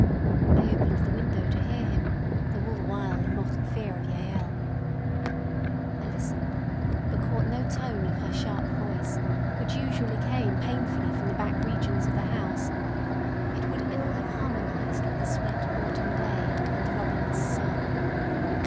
I opened the window to hear him, though all the while in mortal fear of Jael. I listened, but caught no tone of her sharp voice, which usually came painfully from the back regions of the house; it would ill have harmonised with the sweet autumn day and the robin's song.